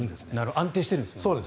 安定しているんですね。